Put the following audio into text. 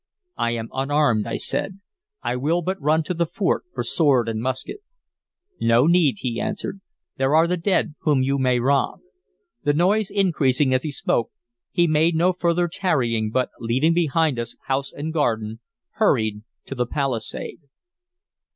"I am unarmed," I said. "I will but run to the fort for sword and musket" "No need," he answered. "There are the dead whom you may rob." The noise increasing as he spoke, we made no further tarrying, but, leaving behind us house and garden, hurried to the palisade.